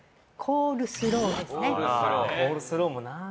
コールスローもなあ。